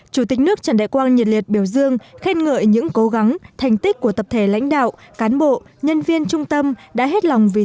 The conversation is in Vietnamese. chủ tịch nước trần đại quang nhiệt liệt biểu dương khen ngợi những cố gắng thành tích của tập thể lãnh đạo cán bộ nhân viên trung tâm đã hết lòng vì dân